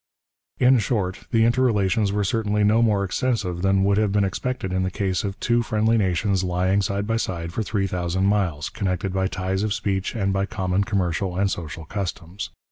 In short, the interrelations were certainly no more extensive than would have been expected in the case of two friendly nations lying side by side for three thousand miles, connected by ties of speech and by common commercial and social customs.